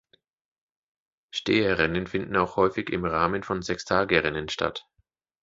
Steherrennen finden auch häufig im Rahmen von Sechstagerennen statt.